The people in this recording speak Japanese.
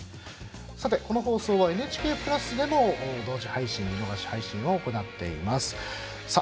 この放送は「ＮＨＫプラス」でも同時配信見逃し配信を行っています。